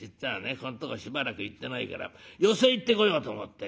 ここんとこしばらく行ってないから寄席行ってこようと思って」。